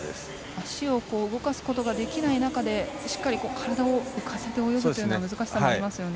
足を動かすことができない中でしっかり体を浮かせて泳ぐ難しさもありますよね。